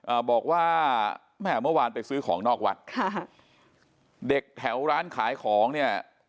อ่าบอกว่าแม่เมื่อวานไปซื้อของนอกวัดค่ะเด็กแถวร้านขายของเนี่ย